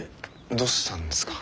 どうしたんですか？